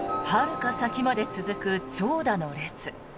はるか先まで続く長蛇の列。